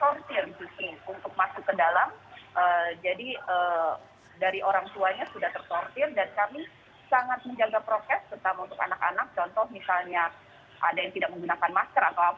serta untuk anak anak contoh misalnya ada yang tidak menggunakan masker atau apa